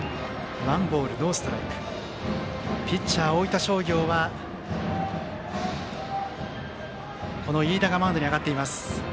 ピッチャー、大分商業は飯田がマウンドに上がっています。